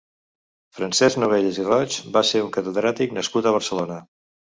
Francesc Novellas i Roig va ser un catedràtic nascut a Barcelona.